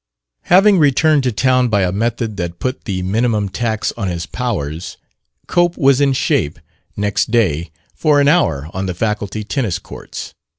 Having returned to town by a method that put the minimum tax on his powers, Cope was in shape, next day, for an hour on the faculty tennis courts.